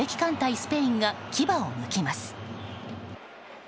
スペインが牙をむきます。